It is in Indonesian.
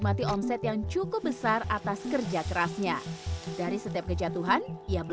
paling banyak dari online